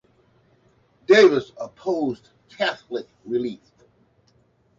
Davis opposed Catholic relief.